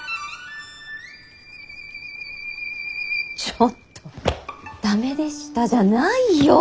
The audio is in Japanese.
ちょっと「駄目でした」じゃないよ！